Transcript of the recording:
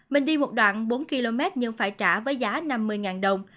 mình đi một đoạn bốn km nhưng phải trả với giá năm mươi đồng